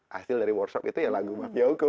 hasil dari workshop itu ya lagu mafia hukum